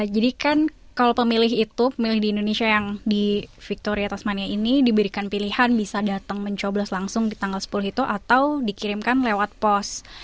jadi kan kalau pemilih itu pemilih di indonesia yang di victoria tasmania ini diberikan pilihan bisa datang mencoblas langsung di tanggal sepuluh itu atau dikirimkan lewat pos